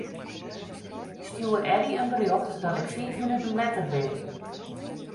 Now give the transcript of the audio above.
Stjoer Eddy in berjocht dat ik fiif minuten letter bin.